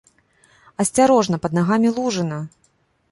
Асцярожна, пад нагамі лужына!